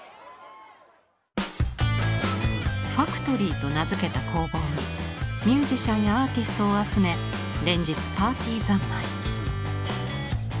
ファクトリーと名付けた工房にミュージシャンやアーティストを集め連日パーティー三昧。